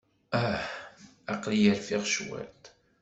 Ah, aql-iyi rfiɣ cwiṭ!